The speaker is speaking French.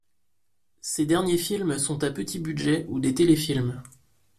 Ses derniers films sont à petit budget ou des téléfilms.